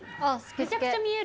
めちゃくちゃ見える。